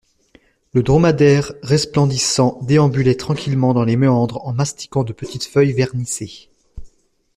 Le dromadaire resplendissant déambulait tranquillement dans les méandres en mastiquant de petites feuilles vernissées.